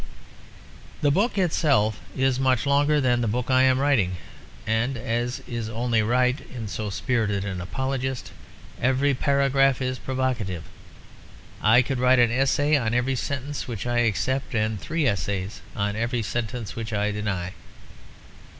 The book itself is much longer than the book that I am writing; and as is only right in so spirited an apologist, every paragraph is provocative. I could write an essay on every sentence which I accept and three essays on every sentence which I deny.